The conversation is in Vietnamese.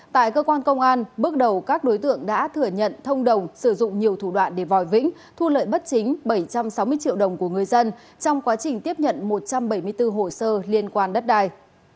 tại cơ quan công an bước đầu các đối tượng đã thừa nhận thông đồng sử dụng nhiều thủ đoạn để vòi vĩnh thu lợi bất chính bảy trăm sáu mươi triệu đồng của người dân trong quá trình tiếp nhận một trăm bảy mươi bốn hồ sơ liên quan đất đai